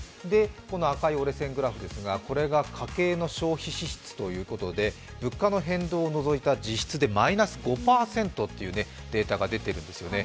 この赤い折れ線グラフですがこれが家計の消費支出ということで物価の変動を除いた実質でマイナス５％というデータが出ているんですよね。